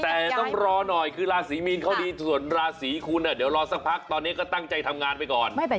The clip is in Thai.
แต่ต้องรอหน่อยคือราศีมีนเขาดีส่วนราศีคุณเดี๋ยวรอสักพักตอนนี้ก็ตั้งใจทำงานไปก่อน